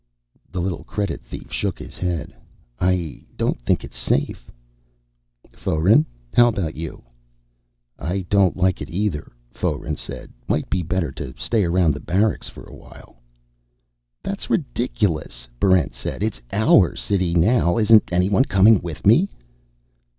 The little credit thief shook his head. "I don't think it's safe." "Foeren, how about you?" "I don't like it either," Foeren said. "Might be better to stay around the barracks for a while." "That's ridiculous," Barrent said. "It's our city now. Isn't anyone coming with me?"